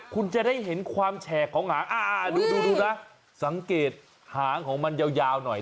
คุณจะได้เห็นความแฉกของหางดูนะสังเกตหางของมันยาวหน่อย